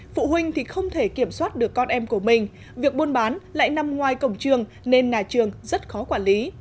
phụ huynh thì không thể kiểm soát được con em của mình việc buôn bán lại nằm ngoài cổng trường nên nhà trường rất khó quản lý